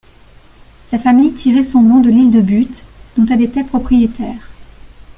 Sa famille tirait son nom de l'île de Bute, dont elle était propriétaire.